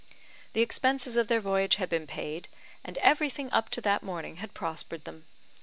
The expenses of their voyage had been paid, and everything up to that morning had prospered them.